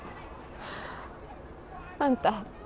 あんた